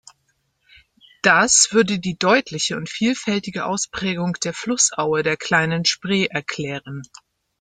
Das würde die deutliche und vielfältige Ausprägung der Flussaue der Kleinen Spree erklären.